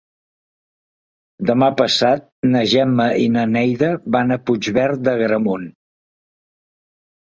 Demà passat na Gemma i na Neida van a Puigverd d'Agramunt.